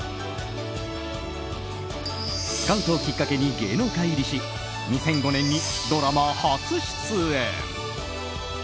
スカウトをきっかけに芸能界入りし２００５年にドラマ初出演。